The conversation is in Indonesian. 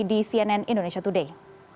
di cnn indonesia today